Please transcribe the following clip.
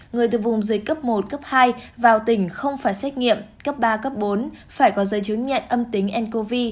người từ vùng dịch cấp một cấp hai vào tỉnh không phải xét nghiệm cấp ba cấp bốn phải có giấy chứng nhận âm tính ncov